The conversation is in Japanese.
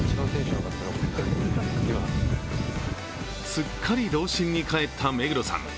すっかり童心に帰った目黒さん。